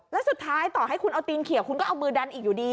แล้วสุดท้ายต่อให้คุณเอาตีนเขียวคุณก็เอามือดันอีกอยู่ดี